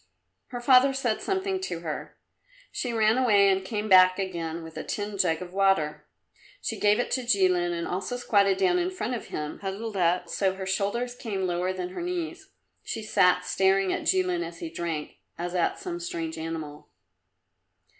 Her father said something to her. She ran away and came back again with a tin jug of water. She gave it to Jilin and also squatted down in front of him, huddled up, so that her shoulders came lower than her knees. She sat staring at Jilin as he drank, as at some strange animal.